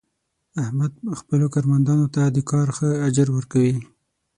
احمد خپلو کارمندانو ته د کار ښه اجر ور کوي.